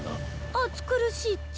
暑苦しいっちゃ。